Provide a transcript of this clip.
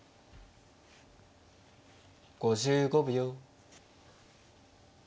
５５秒。